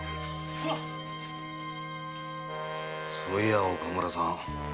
そういや岡村さん